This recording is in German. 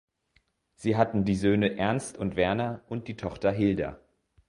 Sie hatten die Söhne Ernst und Werner und die Tochter Hilda.